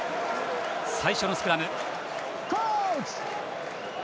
最初のスクラム。